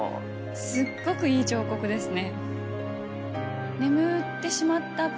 すっごくいい彫刻ですね。